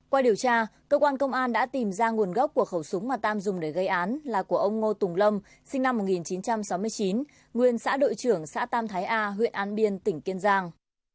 qua điều tra cơ quan công an đã tìm ra nguồn gốc của khẩu súng mà tam dùng để gây án là của ông ngô tùng lâm sinh năm một nghìn chín trăm sáu mươi chín nguyên xã đội trưởng xã tam thái a huyện an biên tỉnh kiên giang